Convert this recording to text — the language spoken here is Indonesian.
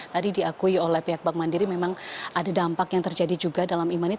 tadi diakui oleh pihak bank mandiri memang ada dampak yang terjadi juga dalam e money